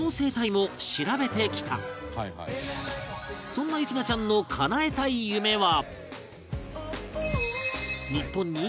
そんな幸奈ちゃんの叶えたい夢は